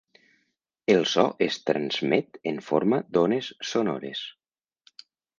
El so es transmet en forma d'ones sonores.